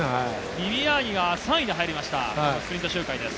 ビビアーニが３位で入りましたスプリント周回です。